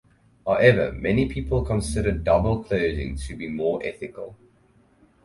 However many people consider double closing to be more ethical.